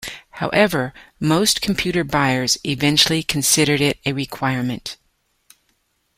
However, most computer buyers eventually considered it a requirement.